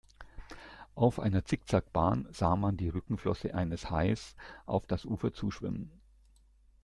Auf einer Zickzack-Bahn sah man die Rückenflosse eines Hais auf das Ufer zuschwimmen.